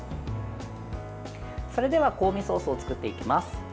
それでは香味ソースを作っていきます。